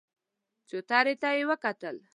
چوترې ته يې وکتل.